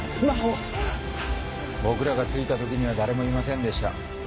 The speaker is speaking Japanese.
真帆は⁉僕らが着いた時には誰もいませんでした。